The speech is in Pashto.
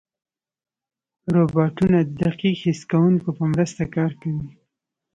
روبوټونه د دقیق حس کوونکو په مرسته کار کوي.